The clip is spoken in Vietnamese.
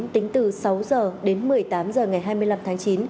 tính từ sáu h đến một mươi tám h ngày hai mươi năm tháng chín